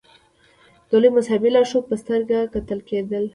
د لوی مذهبي لارښود په سترګه کتل کېدل.